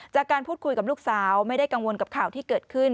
จากการพูดคุยกับลูกสาวไม่ได้กังวลกับข่าวที่เกิดขึ้น